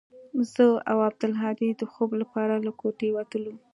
زه او عبدالهادي د خوب لپاره له كوټې وتلو.